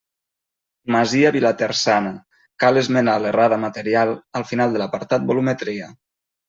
Masia Vilaterçana: cal esmenar l'errada material al final de l'apartat Volumetria.